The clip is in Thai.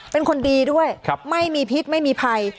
เป็นคนดีด้วยไม่มีพิษไม่มีภัย